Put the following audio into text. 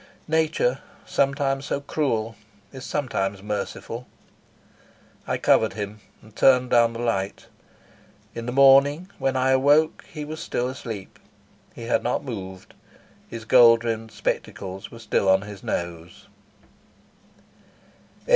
Nature, sometimes so cruel, is sometimes merciful. I covered him and turned down the light. In the morning when I awoke he was still asleep. He had not moved. His gold rimmed spectacles were still on his nose.